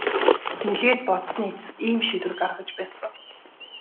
Нэлээд бодсоны эцэст ийм шийдвэр гаргаж байсан.